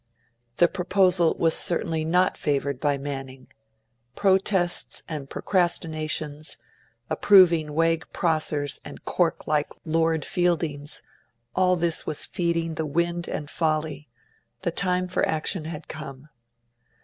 The proposal was certainly not favoured by Manning. Protests and procrastinations, approving Wegg Prossers and cork like Lord Feildings all this was feeding the wind and folly; the time for action had come.